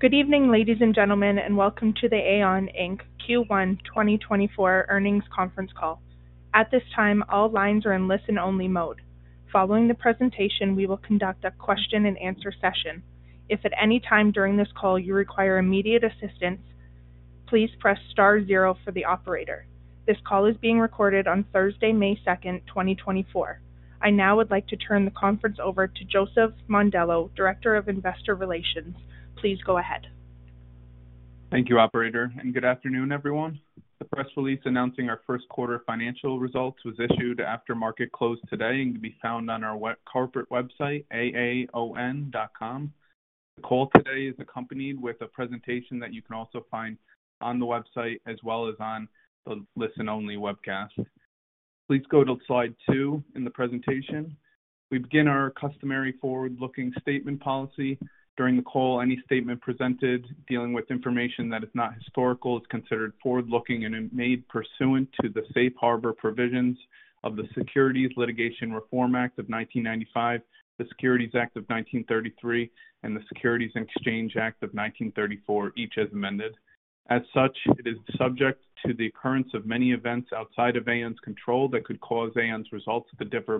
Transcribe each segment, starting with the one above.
Good evening, ladies and gentlemen, and welcome to the AAON, Inc. Q1 2024 Earnings Conference Call. At this time, all lines are in listen-only mode. Following the presentation, we will conduct a question-and-answer session. If at any time during this call you require immediate assistance, please press star zero for the operator. This call is being recorded on Thursday, 02/05/2024. I now would like to turn the conference over to Joseph Mondillo, Director of Investor Relations. Please go ahead. Thank you, operator, and good afternoon, everyone. The press release announcing our first quarter financial results was issued after market close today and can be found on our corporate website, aaon.com. The call today is accompanied with a presentation that you can also find on the website, as well as on the listen-only webcast. Please go to slide two in the presentation. We begin our customary forward-looking statement policy. During the call, any statement presented dealing with information that is not historical is considered forward-looking and is made pursuant to the Safe Harbor Provisions of the Securities Litigation Reform Act of 1995, the Securities Act of 1933, and the Securities Exchange Act of 1934, each as amended. As such, it is subject to the occurrence of many events outside of AAON's control that could cause AAON's results to differ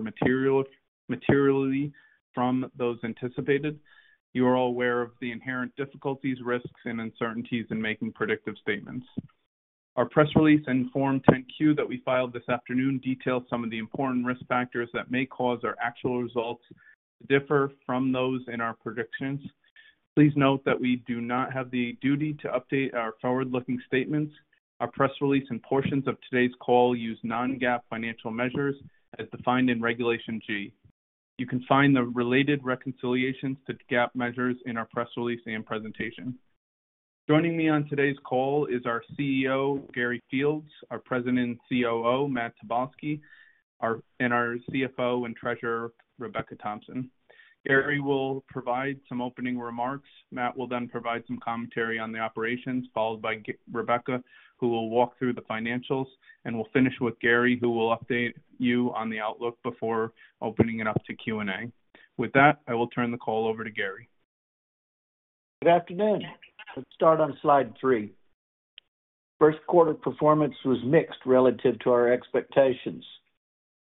materially from those anticipated. You are all aware of the inherent difficulties, risks, and uncertainties in making predictive statements. Our press release and Form 10-Q that we filed this afternoon detail some of the important risk factors that may cause our actual results to differ from those in our predictions. Please note that we do not have the duty to update our forward-looking statements. Our press release and portions of today's call use non-GAAP financial measures as defined in Regulation G. You can find the related reconciliations to GAAP measures in our press release and presentation. Joining me on today's call is our CEO, Gary Fields, our President and COO, Matt Tobolski, and our CFO and Treasurer, Rebecca Thompson. Gary will provide some opening remarks. Matt will then provide some commentary on the operations, followed by Rebecca, who will walk through the financials, and we'll finish with Gary, who will update you on the outlook before opening it up to Q&A. With that, I will turn the call over to Gary. Good afternoon. Let's start on slide three. First quarter performance was mixed relative to our expectations.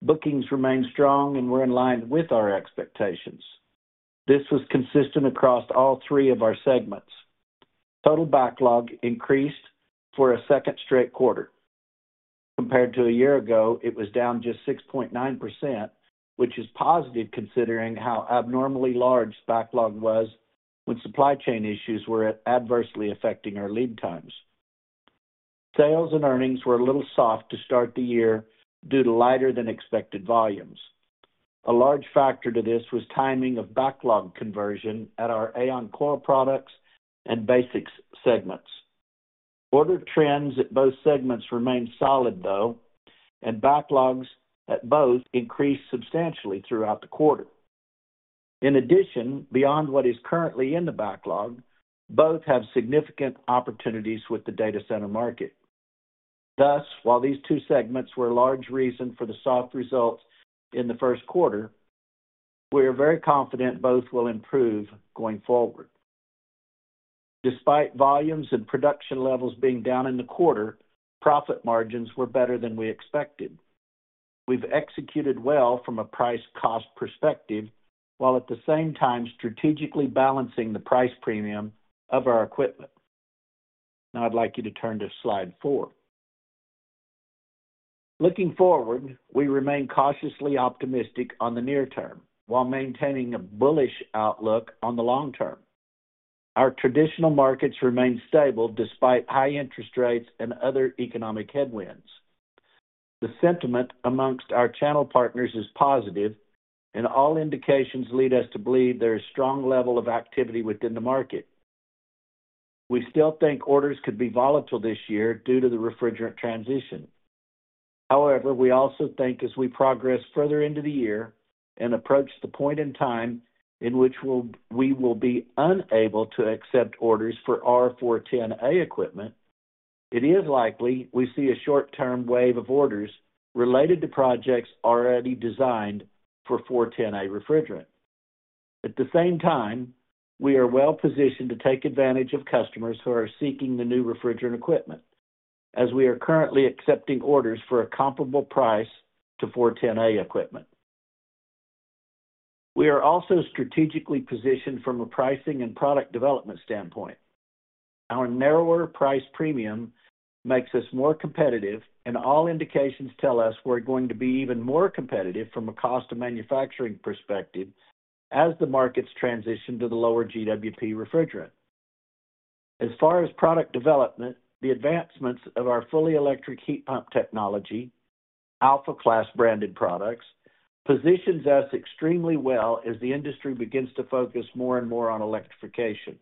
Bookings remained strong and were in line with our expectations. This was consistent across all three of our segments. Total backlog increased for a second straight quarter. Compared to a year ago, it was down just 6.9%, which is positive considering how abnormally large backlog was when supply chain issues were adversely affecting our lead times. Sales and earnings were a little soft to start the year due to lighter-than-expected volumes. A large factor to this was timing of backlog conversion at our AAON Coil Products and BASX segments. Order trends at both segments remained solid, though, and backlogs at both increased substantially throughout the quarter. In addition, beyond what is currently in the backlog, both have significant opportunities with the data center market. Thus, while these two segments were a large reason for the soft results in the first quarter, we are very confident both will improve going forward. Despite volumes and production levels being down in the quarter, profit margins were better than we expected. We've executed well from a price-cost perspective, while at the same time strategically balancing the price premium of our equipment. Now, I'd like you to turn to slide four. Looking forward, we remain cautiously optimistic on the near term, while maintaining a bullish outlook on the long term. Our traditional markets remain stable despite high interest rates and other economic headwinds. The sentiment amongst our channel partners is positive, and all indications lead us to believe there is a strong level of activity within the market. We still think orders could be volatile this year due to the refrigerant transition. However, we also think as we progress further into the year and approach the point in time in which we will be unable to accept orders for R410A equipment, it is likely we see a short-term wave of orders related to projects already designed for R410A refrigerant. At the same time, we are well positioned to take advantage of customers who are seeking the new refrigerant equipment, as we are currently accepting orders for a comparable price to R410A equipment. We are also strategically positioned from a pricing and product development standpoint. Our narrower price premium makes us more competitive, and all indications tell us we're going to be even more competitive from a cost of manufacturing perspective as the markets transition to the lower GWP refrigerant. As far as product development, the advancements of our fully electric heat pump technology, Alpha Class branded products, positions us extremely well as the industry begins to focus more and more on electrification.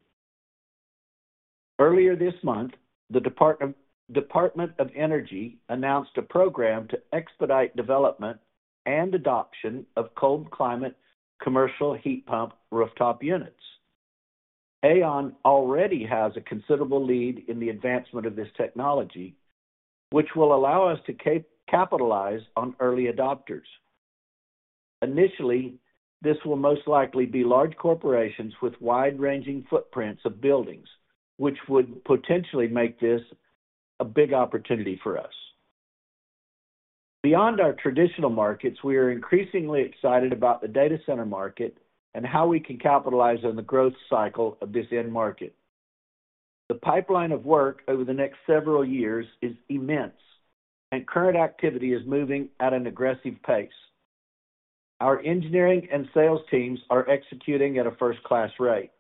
Earlier this month, the Department of Energy announced a program to expedite development and adoption of cold climate commercial heat pump rooftop units. AAON already has a considerable lead in the advancement of this technology, which will allow us to capitalize on early adopters, initially, this will most likely be large corporations with wide-ranging footprints of buildings, which would potentially make this a big opportunity for us. Beyond our traditional markets, we are increasingly excited about the data center market and how we can capitalize on the growth cycle of this end market. The pipeline of work over the next several years is immense, and current activity is moving at an aggressive pace. Our engineering and sales teams are executing at a first-class rate.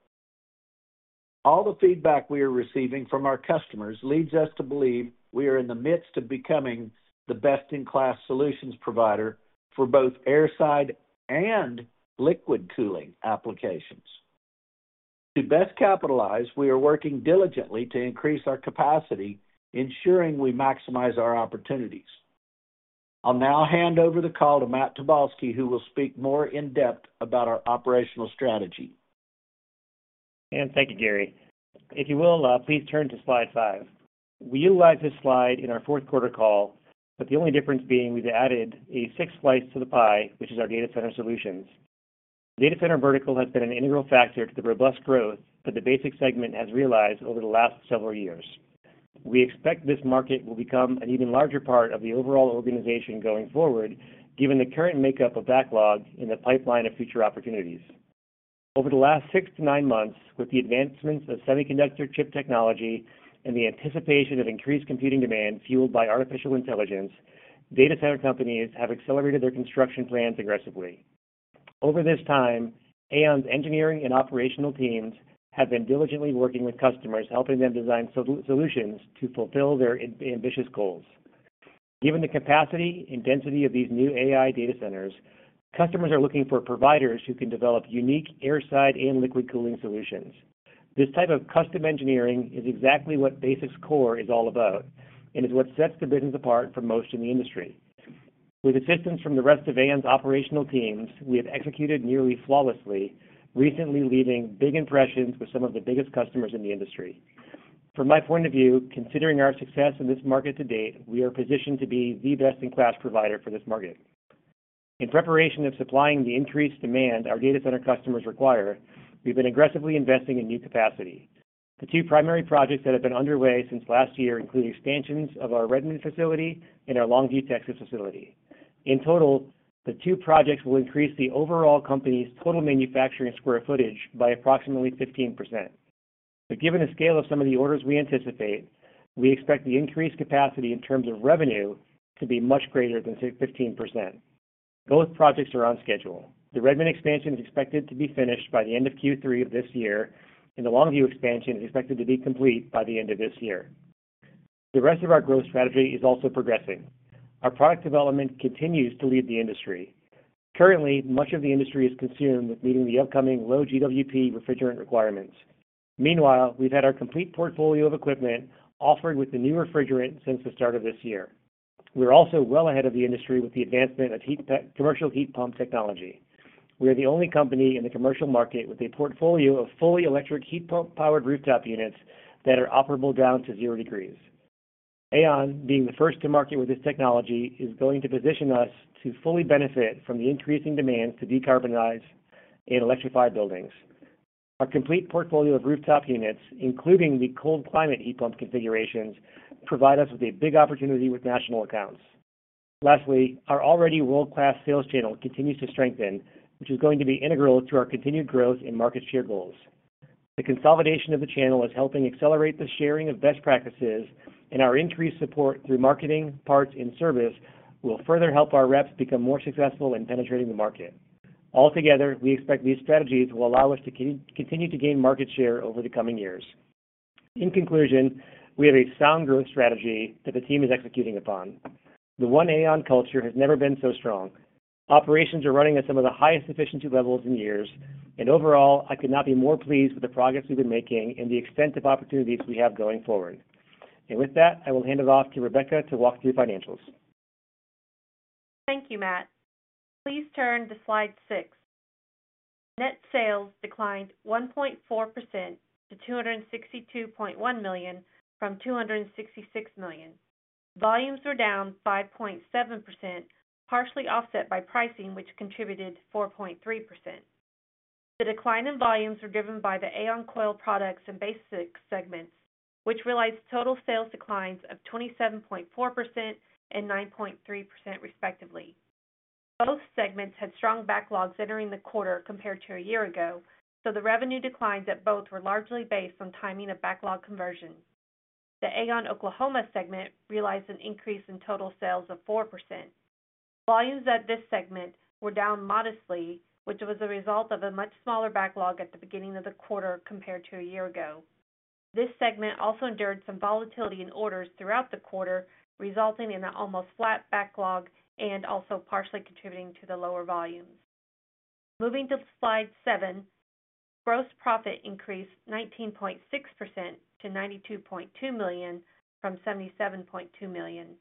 All the feedback we are receiving from our customers leads us to believe we are in the midst of becoming the best-in-class solutions provider for both airside and liquid cooling applications. To best capitalize, we are working diligently to increase our capacity, ensuring we maximize our opportunities. I'll now hand over the call to Matt Tobolski, who will speak more in depth about our operational strategy. Thank you, Gary. If you will, please turn to slide five. We utilized this slide in our fourth quarter call, but the only difference being we've added a sixth slice to the pie, which is our data center solutions. Data center vertical has been an integral factor to the robust growth that the BASX segment has realized over the last several years. We expect this market will become an even larger part of the overall organization going forward, given the current makeup of backlog and the pipeline of future opportunities. Over the last six-nine months, with the advancements of semiconductor chip technology and the anticipation of increased computing demand fueled by artificial intelligence, data center companies have accelerated their construction plans aggressively. Over this time, AAON's engineering and operational teams have been diligently working with customers, helping them design solutions to fulfill their ambitious goals. Given the capacity and density of these new AI data centers, customers are looking for providers who can develop unique airside and liquid cooling solutions. This type of custom engineering is exactly what BASX's core is all about, and is what sets the business apart from most in the industry. With assistance from the rest of AAON's operational teams, we have executed nearly flawlessly, recently leaving big impressions with some of the biggest customers in the industry. From my point of view, considering our success in this market to date, we are positioned to be the best-in-class provider for this market. In preparation of supplying the increased demand our data center customers require, we've been aggressively investing in new capacity. The two primary projects that have been underway since last year include expansions of our Redmond facility and our Longview, Texas, facility. In total, the two projects will increase the overall company's total manufacturing square footage by approximately 15%. But given the scale of some of the orders we anticipate, we expect the increased capacity in terms of revenue to be much greater than 15%. Both projects are on schedule. The Redmond expansion is expected to be finished by the end of Q3 of this year, and the Longview expansion is expected to be complete by the end of this year. The rest of our growth strategy is also progressing. Our product development continues to lead the industry. Currently, much of the industry is consumed with meeting the upcoming low GWP refrigerant requirements. Meanwhile, we've had our complete portfolio of equipment offered with the new refrigerant since the start of this year. We're also well ahead of the industry with the advancement of commercial heat pump technology. We are the only company in the commercial market with a portfolio of fully electric heat pump-powered rooftop units that are operable down to zero degrees. AAON, being the first to market with this technology, is going to position us to fully benefit from the increasing demand to decarbonize and electrify buildings. Our complete portfolio of rooftop units, including the cold climate heat pump configurations, provide us with a big opportunity with national accounts. Lastly, our already world-class sales channel continues to strengthen, which is going to be integral to our continued growth and market share goals. The consolidation of the channel is helping accelerate the sharing of best practices, and our increased support through marketing, parts, and service will further help our reps become more successful in penetrating the market. Altogether, we expect these strategies will allow us to continue to gain market share over the coming years. In conclusion, we have a sound growth strategy that the team is executing upon. The One AAON culture has never been so strong. Operations are running at some of the highest efficiency levels in years, and overall, I could not be more pleased with the progress we've been making and the extent of opportunities we have going forward. With that, I will hand it off to Rebecca to walk through financials. Thank you, Matt. Please turn to slide six. Net sales declined 1.4% to $262.1 million from $266 million. Volumes were down 5.7%, partially offset by pricing, which contributed 4.3%. The decline in volumes were driven by the AAON Coil Products and BASX segments, which realized total sales declines of 27.4% and 9.3%, respectively. Both segments had strong backlogs entering the quarter compared to a year ago, so the revenue declines at both were largely based on timing of backlog conversion. The AAON Oklahoma segment realized an increase in total sales of 4%. Volumes at this segment were down modestly, which was a result of a much smaller backlog at the beginning of the quarter compared to a year ago. This segment also endured some volatility in orders throughout the quarter, resulting in an almost flat backlog and also partially contributing to the lower volumes. Moving to slide seven, gross profit increased 19.6% to $92.2 million from $77.2 million.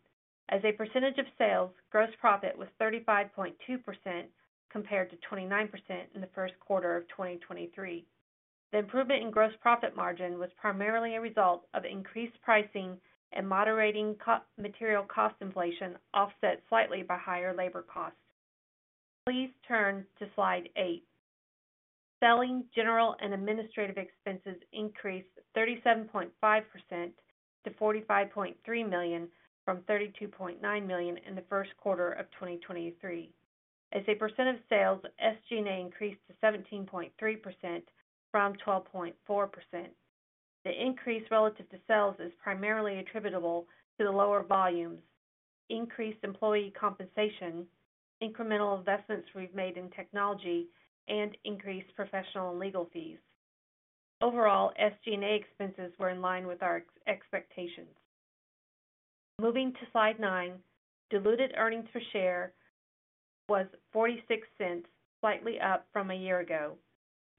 As a percentage of sales, gross profit was 35.2%, compared to 29% in the first quarter of 2023. The improvement in gross profit margin was primarily a result of increased pricing and moderating commodity material cost inflation, offset slightly by higher labor costs. Please turn to slide eight. Selling, general, and administrative expenses increased 37.5% to $45.3 million, from $32.9 million in the first quarter of 2023. As a percent of sales, SG&A increased to 17.3% from 12.4%. The increase relative to sales is primarily attributable to the lower volumes, increased employee compensation, incremental investments we've made in technology, and increased professional and legal fees. Overall, SG&A expenses were in line with our expectations. Moving to slide nine. Diluted earnings per share was $0.46, slightly up from a year ago.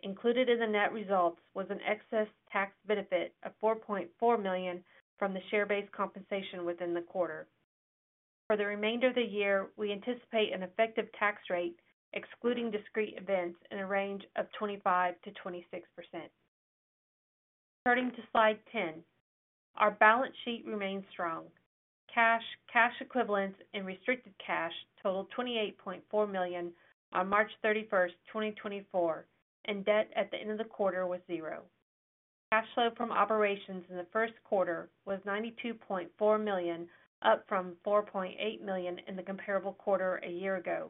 Included in the net results was an excess tax benefit of $4.4 million from the share-based compensation within the quarter. For the remainder of the year, we anticipate an effective tax rate, excluding discrete events, in a range of 25%-26%. Turning to slide 10. Our balance sheet remains strong. Cash, cash equivalents, and restricted cash totaled $28.4 million on 31/03/2024, and debt at the end of the quarter was $0. Cash flow from operations in the first quarter was $92.4 million, up from $4.8 million in the comparable quarter a year ago.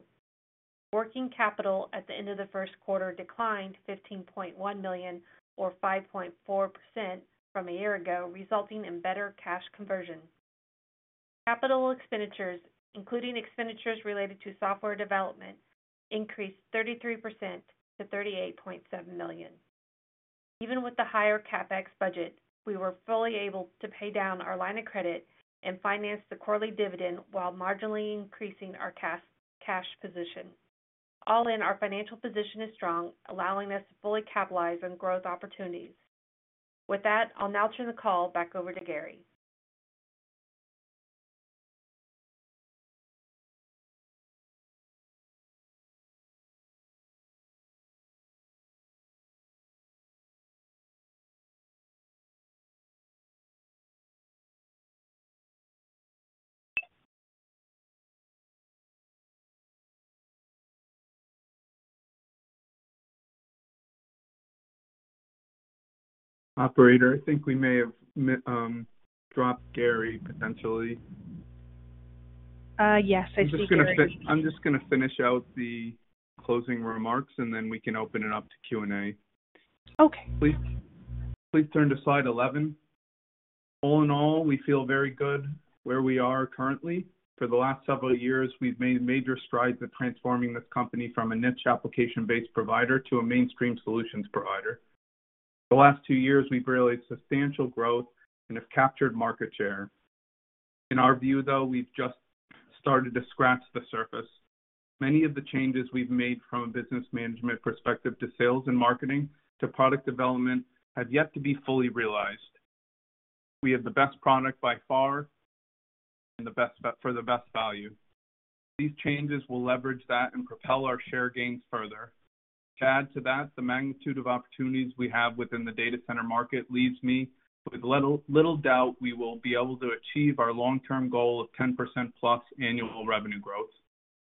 Working capital at the end of the first quarter declined to $15.1 million, or 5.4% from a year ago, resulting in better cash conversion. Capital expenditures, including expenditures related to software development, increased 33% to $38.7 million. Even with the higher CapEx budget, we were fully able to pay down our line of credit and finance the quarterly dividend while marginally increasing our cash position. All in, our financial position is strong, allowing us to fully capitalize on growth opportunities. With that, I'll now turn the call back over to Gary. Operator, I think we may have dropped Gary potentially. Yes, I see- I'm just gonna finish out the closing remarks, and then we can open it up to Q&A. Okay. Please, please turn to slide 11. All in all, we feel very good where we are currently. For the last several years, we've made major strides in transforming this company from a niche application-based provider to a mainstream solutions provider. The last two years, we've realized substantial growth and have captured market share. In our view, though, we've just started to scratch the surface. Many of the changes we've made, from a business management perspective to sales and marketing to product development, have yet to be fully realized. We have the best product by far and the best for the best value. These changes will leverage that and propel our share gains further. To add to that, the magnitude of opportunities we have within the data center market leaves me with little, little doubt we will be able to achieve our long-term goal of 10%+ annual revenue growth.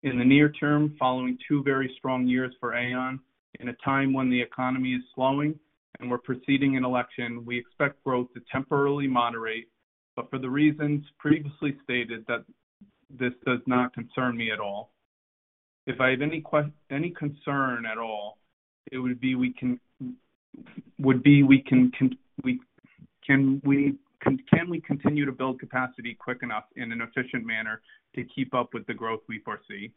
In the near term, following two very strong years for AAON, in a time when the economy is slowing and we're preceding an election, we expect growth to temporarily moderate, but for the reasons previously stated, that this does not concern me at all. If I have any concern at all, it would be, can we continue to build capacity quick enough in an efficient manner to keep up with the growth we foresee?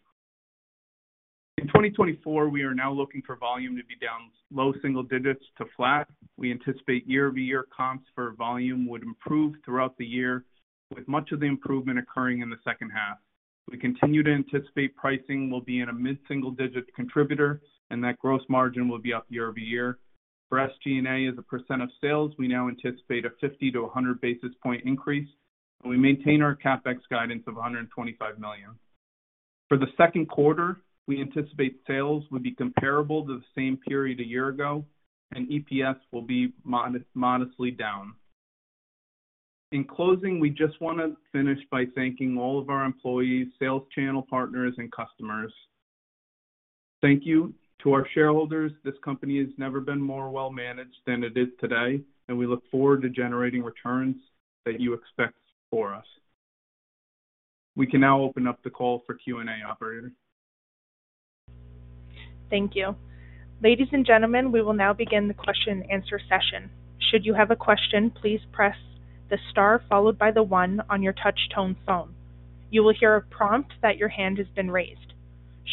In 2024, we are now looking for volume to be down low single digits to flat. We anticipate year-over-year comps for volume would improve throughout the year, with much of the improvement occurring in the second half. We continue to anticipate pricing will be in a mid-single digit contributor, and that gross margin will be up year-over-year. For SG&A, as a % of sales, we now anticipate a 50-100 basis point increase, and we maintain our CapEx guidance of $125 million. For the second quarter, we anticipate sales will be comparable to the same period a year ago, and EPS will be modestly down. In closing, we just want to finish by thanking all of our employees, sales channel partners, and customers. Thank you to our shareholders. This company has never been more well-managed than it is today, and we look forward to generating returns that you expect for us. We can now open up the call for Q&A, operator. Thank you. Ladies and gentlemen, we will now begin the question and answer session. Should you have a question, please press the star followed by the one on your touch tone phone. You will hear a prompt that your hand has been raised.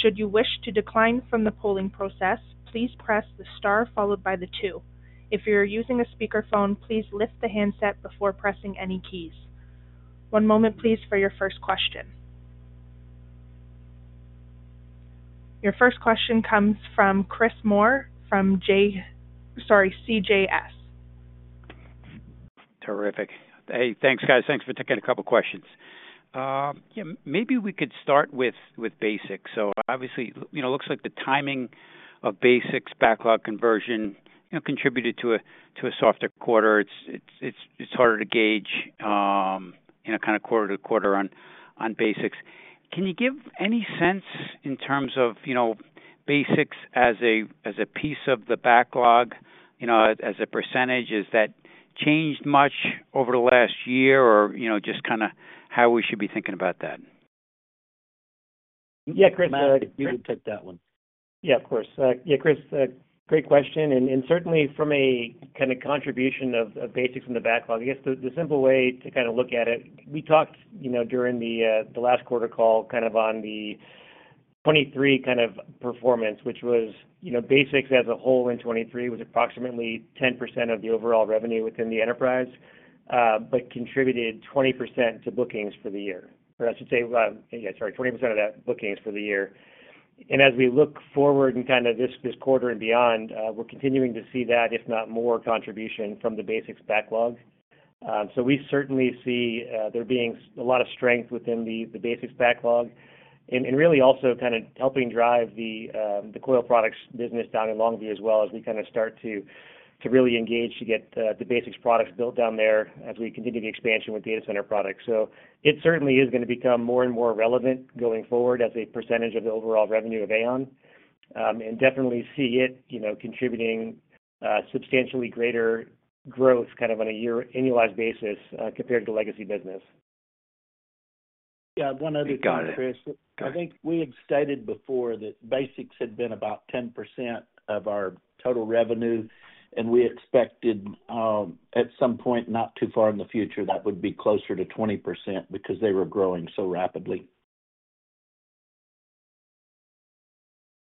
Should you wish to decline from the polling process, please press the star followed by the two. If you're using a speakerphone, please lift the handset before pressing any keys. One moment, please, for your first question. Your first question comes from Chris Moore, from J... Sorry, CJS.... Terrific. Hey, thanks, guys. Thanks for taking a couple questions. Yeah, maybe we could start with BASX. So obviously, you know, looks like the timing of BASX backlog conversion, you know, contributed to a softer quarter. It's harder to gauge, you know, kind of quarter to quarter on BASX. Can you give any sense in terms of, you know, BASX as a piece of the backlog, you know, as a percentage? Has that changed much over the last year, or, you know, just kinda how we should be thinking about that? Yeah, Chris, you can take that one. Yeah, of course. Yeah, Chris, great question, and certainly from a kind of contribution of BASX from the backlog, I guess the simple way to kind of look at it, we talked, you know, during the last quarter call, kind of on the 2023 kind of performance, which was, you know, BASX as a whole in 2023, was approximately 10% of the overall revenue within the enterprise, but contributed 20% to bookings for the year. Or I should say, yeah, sorry, 20% of that bookings for the year. And as we look forward and kind of this quarter and beyond, we're continuing to see that, if not more, contribution from the BASX backlog. So we certainly see there being a lot of strength within the BASX backlog and really also kind of helping drive the coil products business down in Longview as well, as we kind of start to really engage to get the BASX products built down there as we continue the expansion with data center products. So it certainly is gonna become more and more relevant going forward as a percentage of the overall revenue of AAON. And definitely see it, you know, contributing substantially greater growth kind of on a year-annualized basis compared to legacy business. Yeah, one other thing, Chris. Got it. I think we had stated before that BASX had been about 10% of our total revenue, and we expected, at some point, not too far in the future, that would be closer to 20% because they were growing so rapidly.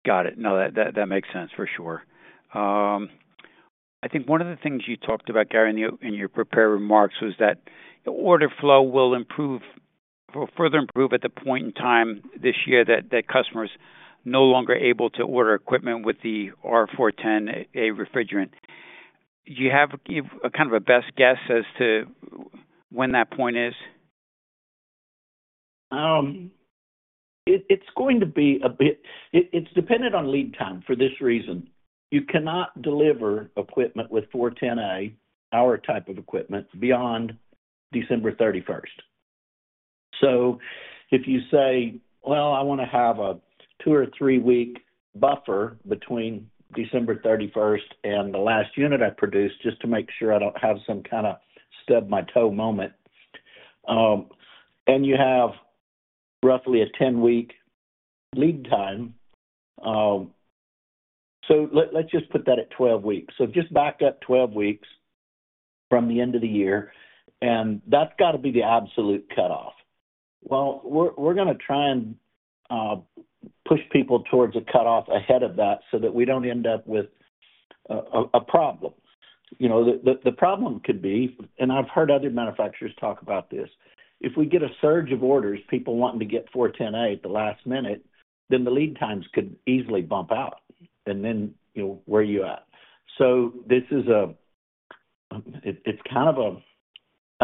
Got it. No, that makes sense for sure. I think one of the things you talked about, Gary, in your prepared remarks, was that order flow will further improve at the point in time this year, that customer's no longer able to order equipment with the R410A refrigerant. Do you have a kind of a best guess as to when that point is? It's going to be a bit... It's dependent on lead time, for this reason: You cannot deliver equipment with R410A, our type of equipment, beyond December thirty-first. So if you say, "Well, I wanna have a two or three week buffer between December 31 and the last unit I produced, just to make sure I don't have some kind of stub my toe moment," and you have roughly a 10-week lead time, so let's just put that at 12 weeks. So just back up 12 weeks from the end of the year, and that's got to be the absolute cutoff. Well, we're gonna try and push people towards a cutoff ahead of that, so that we don't end up with a problem. You know, the problem could be, and I've heard other manufacturers talk about this, if we get a surge of orders, people wanting to get R410A at the last minute, then the lead times could easily bump out, and then, you know, where are you at? So this is a, it's kind of a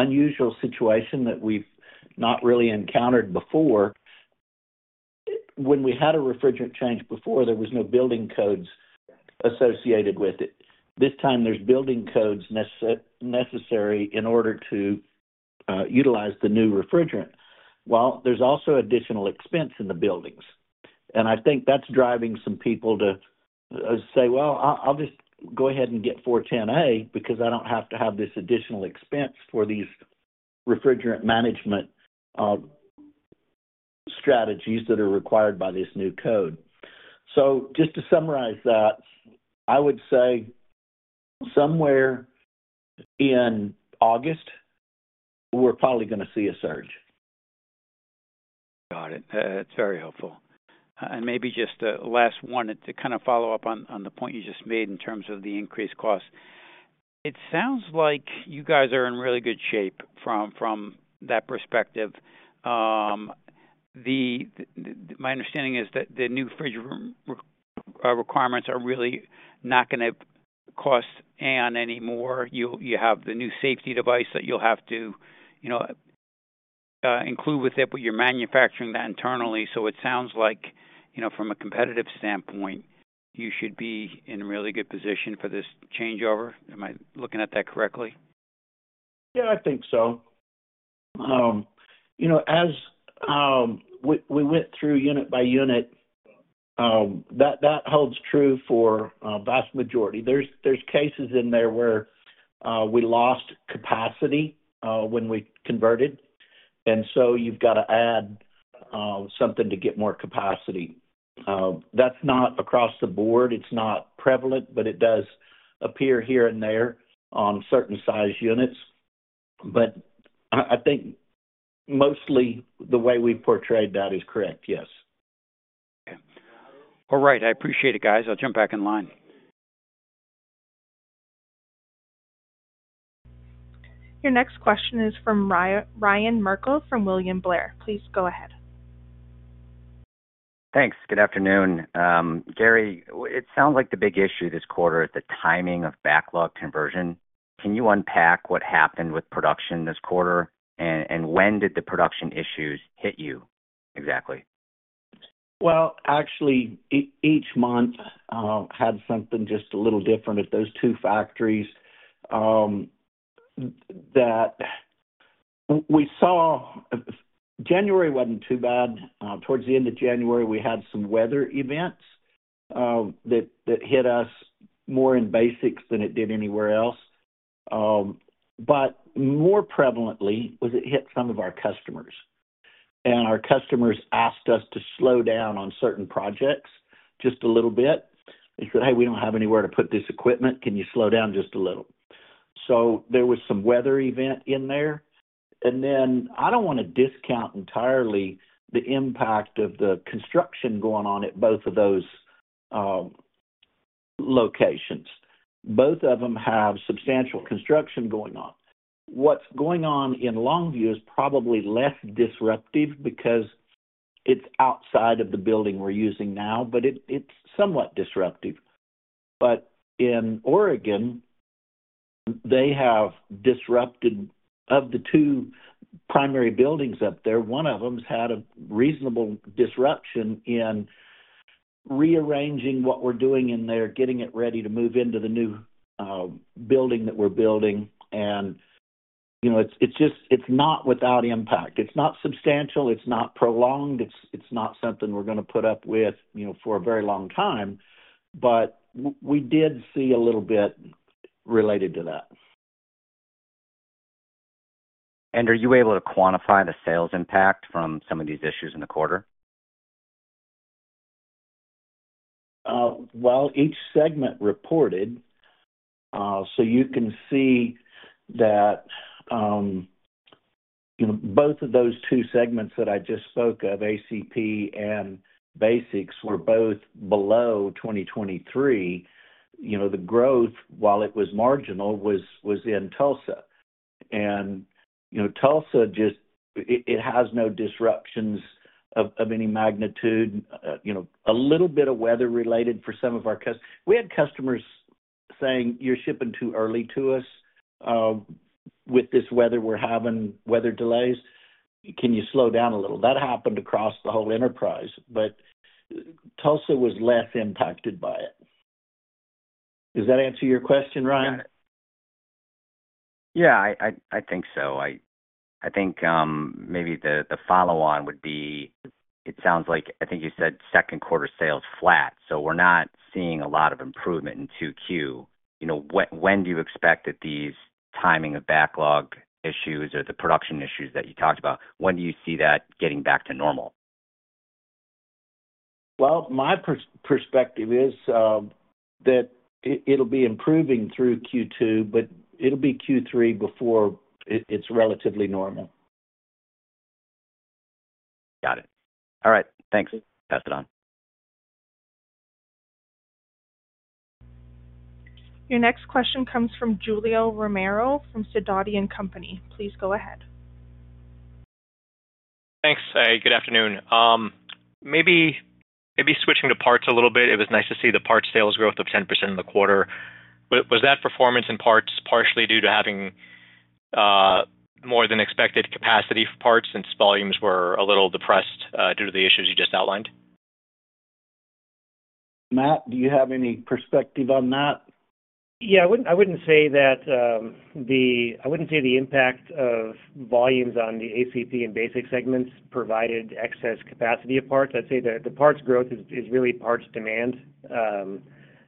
unusual situation that we've not really encountered before. When we had a refrigerant change before, there was no building codes associated with it. This time, there's building codes necessary in order to utilize the new refrigerant, while there's also additional expense in the buildings. I think that's driving some people to say, "Well, I, I'll just go ahead and get R410A, because I don't have to have this additional expense for these refrigerant management strategies that are required by this new code." Just to summarize that, I would say somewhere in August, we're probably gonna see a surge. Got it. That's very helpful. Maybe just a last one to kind of follow up on, on the point you just made in terms of the increased costs. It sounds like you guys are in really good shape from, from that perspective. My understanding is that the new refrigerant requirements are really not gonna cost AAON any more. You, you have the new safety device that you'll have to, you know, include with it, but you're manufacturing that internally. So it sounds like, you know, from a competitive standpoint, you should be in a really good position for this changeover. Am I looking at that correctly? Yeah, I think so. You know, as we went through unit by unit, that holds true for a vast majority. There's cases in there where we lost capacity when we converted, and so you've got to add something to get more capacity. That's not across the board, it's not prevalent, but it does appear here and there on certain size units. But I think mostly the way we've portrayed that is correct, yes. Okay. All right. I appreciate it, guys. I'll jump back in line. Your next question is from Ryan Merkel, from William Blair. Please go ahead.... Thanks. Good afternoon. Gary, it sounds like the big issue this quarter is the timing of backlog conversion. Can you unpack what happened with production this quarter, and, and when did the production issues hit you exactly? Well, actually, each month had something just a little different at those two factories. January wasn't too bad. Towards the end of January, we had some weather events that hit us more in BASX than it did anywhere else. But more prevalently, it hit some of our customers, and our customers asked us to slow down on certain projects just a little bit. They said: "Hey, we don't have anywhere to put this equipment. Can you slow down just a little?" So there was some weather event in there. Then I don't wanna discount entirely the impact of the construction going on at both of those locations. Both of them have substantial construction going on. What's going on in Longview is probably less disruptive because it's outside of the building we're using now, but it's somewhat disruptive. But in Oregon, they have disrupted... Of the two primary buildings up there, one of them's had a reasonable disruption in rearranging what we're doing in there, getting it ready to move into the new building that we're building. And, you know, it's just, it's not without impact. It's not substantial. It's not prolonged. It's not something we're gonna put up with, you know, for a very long time, but we did see a little bit related to that. Are you able to quantify the sales impact from some of these issues in the quarter? Well, each segment reported, so you can see that, you know, both of those two segments that I just spoke of, ACP and Basics, were both below 2023. You know, the growth, while it was marginal, was in Tulsa. You know, Tulsa just, it has no disruptions of any magnitude, you know, a little bit of weather-related for some of our customers. We had customers saying, "You're shipping too early to us. With this weather, we're having weather delays. Can you slow down a little?" That happened across the whole enterprise, but Tulsa was less impacted by it. Does that answer your question, Ryan? Yeah, I think so. I think, maybe the follow-on would be, it sounds like, I think you said second quarter sales flat, so we're not seeing a lot of improvement in 2Q. You know, when do you expect that these timing of backlog issues or the production issues that you talked about, when do you see that getting back to normal? Well, my perspective is that it, it'll be improving through Q2, but it'll be Q3 before it's relatively normal. Got it. All right. Thanks. Pass it on. Your next question comes from Julio Romero of Sidoti & Company. Please go ahead. Thanks. Good afternoon. Maybe, maybe switching to parts a little bit. It was nice to see the parts sales growth of 10% in the quarter. But was that performance in parts partially due to having more than expected capacity for parts since volumes were a little depressed due to the issues you just outlined? Matt, do you have any perspective on that? Yeah, I wouldn't, I wouldn't say that. I wouldn't say the impact of volumes on the ACP and BASX segments provided excess capacity of parts. I'd say the parts growth is really parts demand.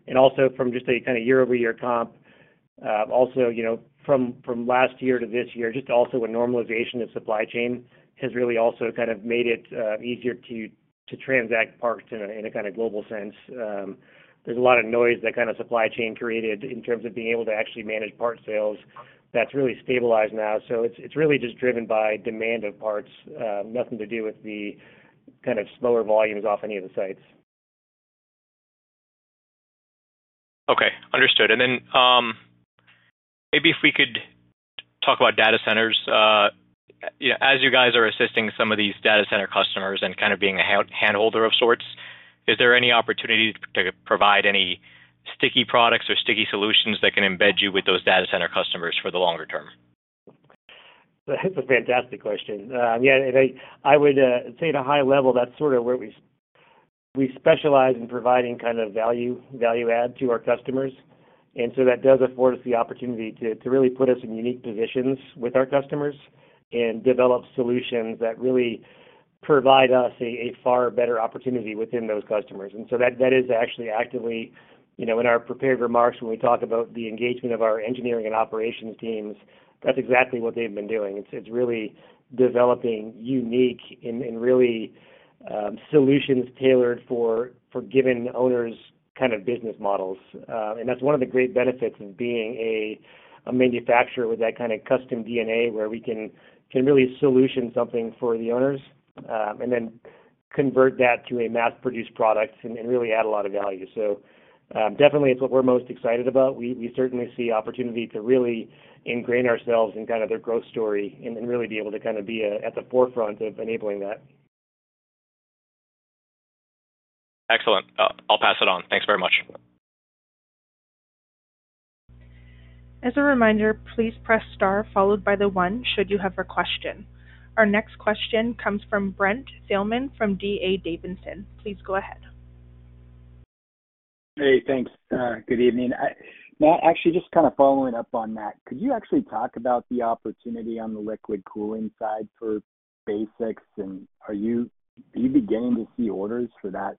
And also from just a kind of year-over-year comp, also, you know, from last year to this year, just also a normalization of supply chain has really also kind of made it easier to transact parts in a kind of global sense. There's a lot of noise that kind of supply chain created in terms of being able to actually manage parts sales. That's really stabilized now. So it's really just driven by demand of parts, nothing to do with the kind of slower volumes off any of the sites. Okay. Understood. Then, maybe if we could talk about data centers. You know, as you guys are assisting some of these data center customers and kind of being a handholder of sorts, is there any opportunity to provide any sticky products or sticky solutions that can embed you with those data center customers for the longer term? That's a fantastic question. Yeah, and I would say at a high level, that's sort of where we specialize in providing kind of value add to our customers. And so that does afford us the opportunity to really put us in unique positions with our customers and develop solutions that really provide us a far better opportunity within those customers. And so that is actually, you know, in our prepared remarks, when we talk about the engagement of our engineering and operations teams, that's exactly what they've been doing. It's really developing unique and really solutions tailored for giving owners kind of business models. And that's one of the great benefits of being a manufacturer with that kind of custom DNA, where we can really solution something for the owners, and then convert that to a mass-produced product and really add a lot of value. So, definitely it's what we're most excited about. We certainly see opportunity to really ingrain ourselves in kind of their growth story and really be able to kind of be at the forefront of enabling that.... Excellent. I'll pass it on. Thanks very much. As a reminder, please press star, followed by the one, should you have a question. Our next question comes from Brent Thielman from D.A. Davidson. Please go ahead. Hey, thanks. Good evening. Matt, actually, just kind of following up on that, could you actually talk about the opportunity on the liquid cooling side for BASX? And are you, are you beginning to see orders for that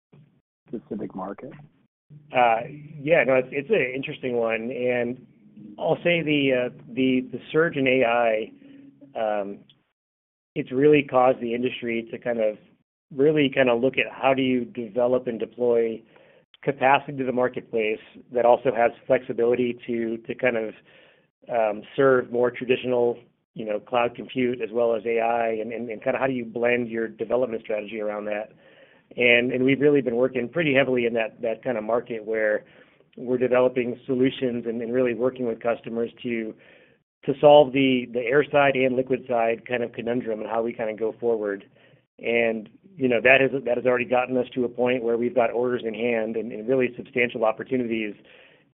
specific market? Yeah, no, it's an interesting one, and I'll say the surge in AI. It's really caused the industry to kind of really kind of look at how do you develop and deploy capacity to the marketplace that also has flexibility to kind of serve more traditional, you know, cloud compute as well as AI, and kind of how do you blend your development strategy around that. And we've really been working pretty heavily in that kind of market, where we're developing solutions and really working with customers to solve the air side and liquid side kind of conundrum and how we kind of go forward. And, you know, that has already gotten us to a point where we've got orders in hand and really substantial opportunities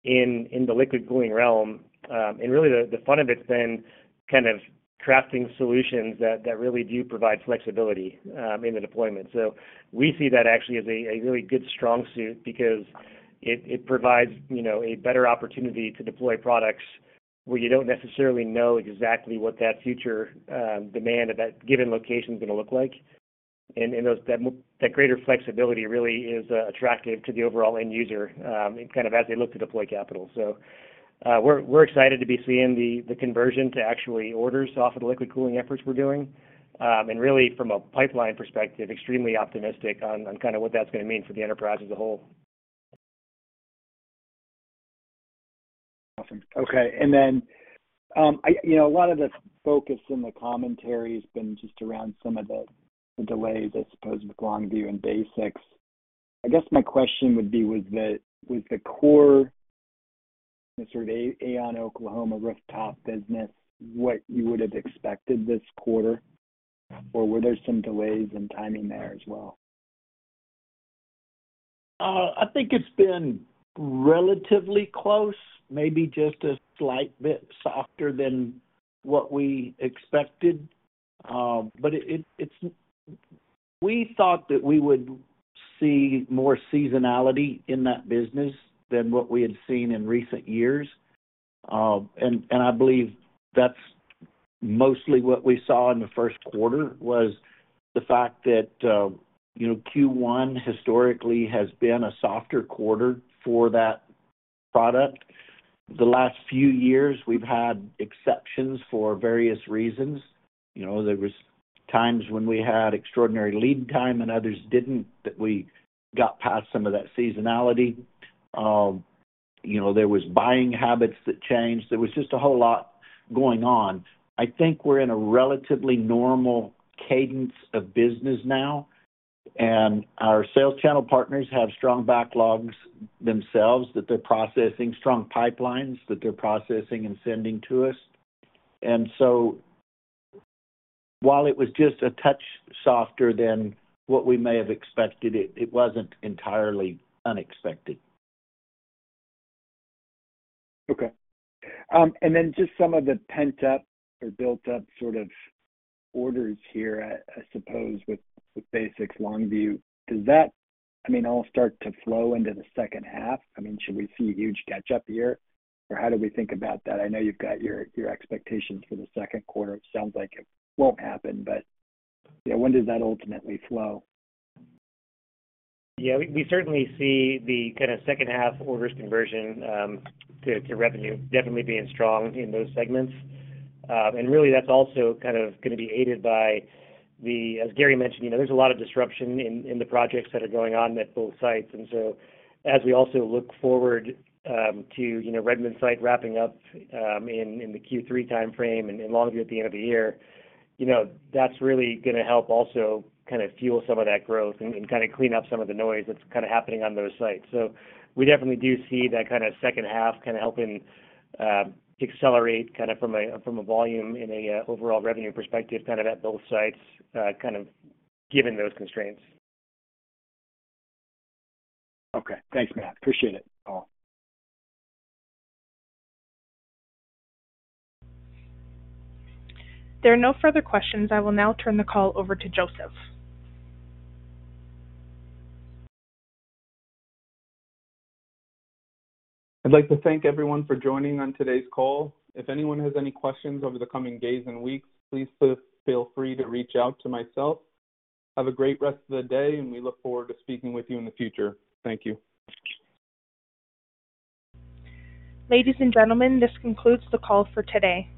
in the liquid cooling realm. And really the fun of it's been kind of crafting solutions that really do provide flexibility in the deployment. So we see that actually as a really good strong suit because it provides, you know, a better opportunity to deploy products where you don't necessarily know exactly what that future demand at that given location is gonna look like. And that greater flexibility really is attractive to the overall end user kind of as they look to deploy capital. So we're excited to be seeing the conversion to actually orders off of the liquid cooling efforts we're doing. And really from a pipeline perspective, extremely optimistic on kind of what that's gonna mean for the enterprise as a whole. Awesome. Okay, and then, you know, a lot of the focus in the commentary has been just around some of the, the delays, I suppose, with Longview and BASX. I guess my question would be: Was the, was the core sort of AAON Oklahoma rooftop business what you would have expected this quarter, or were there some delays in timing there as well? I think it's been relatively close, maybe just a slight bit softer than what we expected. But it's. We thought that we would see more seasonality in that business than what we had seen in recent years. And I believe that's mostly what we saw in the first quarter, was the fact that, you know, Q1 historically has been a softer quarter for that product. The last few years, we've had exceptions for various reasons. You know, there was times when we had extraordinary lead time, and others didn't, that we got past some of that seasonality. You know, there was buying habits that changed. There was just a whole lot going on. I think we're in a relatively normal cadence of business now, and our sales channel partners have strong backlogs themselves that they're processing, strong pipelines that they're processing and sending to us. And so while it was just a touch softer than what we may have expected, it wasn't entirely unexpected. Okay. And then just some of the pent-up or built-up sort of orders here, I suppose, with BASX Longview, does that all start to flow into the second half? I mean, should we see a huge catch-up here, or how do we think about that? I know you've got your expectations for the second quarter. It sounds like it won't happen, but you know, when does that ultimately flow? Yeah, we certainly see the kind of second-half orders conversion to revenue definitely being strong in those segments. And really that's also kind of gonna be aided by the... As Gary mentioned, you know, there's a lot of disruption in the projects that are going on at both sites. And so as we also look forward to, you know, Redmond site wrapping up in the Q3 timeframe and Longview at the end of the year, you know, that's really gonna help also kind of fuel some of that growth and kind of clean up some of the noise that's kind of happening on those sites. We definitely do see that kind of second half kind of helping accelerate kind of from a volume in an overall revenue perspective, kind of at both sites, kind of given those constraints. Okay. Thanks, Matt. Appreciate it, all. There are no further questions. I will now turn the call over to Joseph. I'd like to thank everyone for joining on today's call. If anyone has any questions over the coming days and weeks, please feel free to reach out to myself. Have a great rest of the day, and we look forward to speaking with you in the future. Thank you. Ladies and gentlemen, this concludes the call for today.